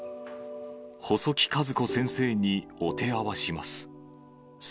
細木数子先生にお手合わします。